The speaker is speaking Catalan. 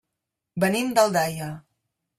Venim d'Aldaia.